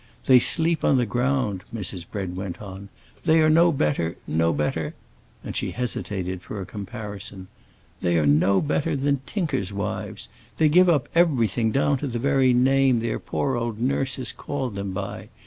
They sleep on the ground," Mrs. Bread went on; "they are no better, no better,"—and she hesitated for a comparison,—"they are no better than tinkers' wives. They give up everything, down to the very name their poor old nurses called them by.